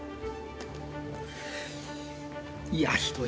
いやひどい。